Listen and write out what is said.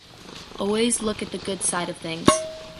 Always look at the good side of things.